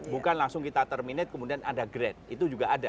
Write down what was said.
bukan langsung kita terminate kemudian ada grade itu juga ada